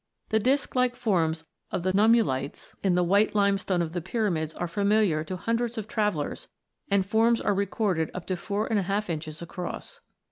The disc like forms of the nummulites in the white limestone of the Pyramids are familiar to hundreds of travellers, and forms are recorded up to four and a half inches across.